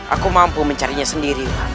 aku mampu mencarinya sendiri